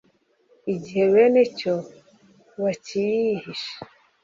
igihe benecyo bakiyihishe,